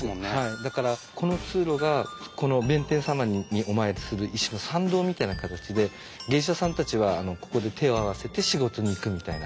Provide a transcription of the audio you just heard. だからこの通路がこの弁天様にお参りする一種の参道みたいな形で芸者さんたちはここで手を合わせて仕事に行くみたいな。